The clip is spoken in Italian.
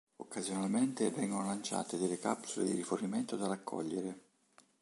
Occasionalmente vengono lanciate delle capsule di rifornimento da raccogliere.